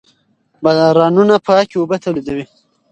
بارانونه پاکې اوبه تولیدوي.